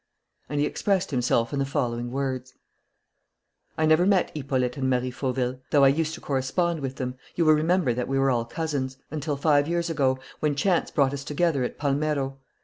And he expressed himself in the following words: "I never met Hippolyte and Marie Fauville, though I used to correspond with them you will remember that we were all cousins until five years ago, when chance brought us together at Palmero.